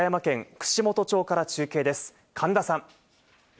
串本町から中継です、神田さん。